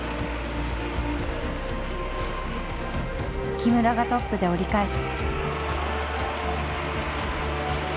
木村がトップで折り返す。